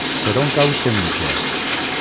Per on cau Senija?